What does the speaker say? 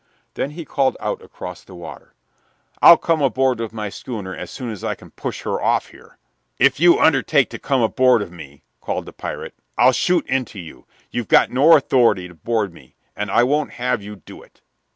Then he called out across the water, "I'll come aboard with my schooner as soon as I can push her off here." "If you undertake to come aboard of me," called the pirate, "I'll shoot into you. You've got no authority to board me, and I won't have you do it.